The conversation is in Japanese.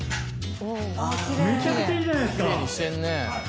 めちゃくちゃいいじゃないですか！